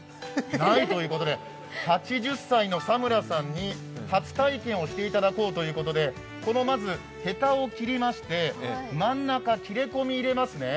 ないということで、８０歳の佐村さんに初体験をしていただこうということでまずへたを切りまして真ん中切れ込み入れますね。